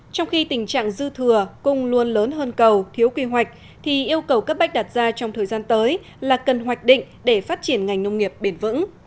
trong khi tình trạng dư thừa cung luôn lớn hơn cầu thiếu quy hoạch thì yêu cầu cấp bách đặt ra trong thời gian tới là cần hoạch định để phát triển ngành nông nghiệp bền vững